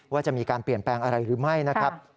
ว่าจะมีการเปลี่ยนแปลงอะไรหรือไม่นะครับ